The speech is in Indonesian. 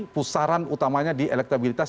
pusaran utamanya di elektabilitas